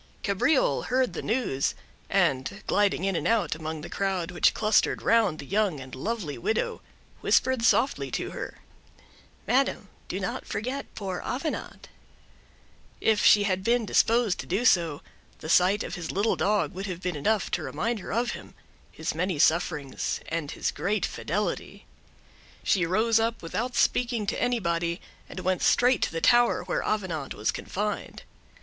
Cabriole heard the news, and, gliding in and out among the crowd which clustered round the young and lovely widow, whispered softly to her—"Madam, do not forget poor Avenant." If she had been disposed to do so, the sight of his little dog would have been enough to remind her of him—his many sufferings, and his great fidelity. She rose up, without speaking to anybody, and went straight to the tower where Avenant was confined.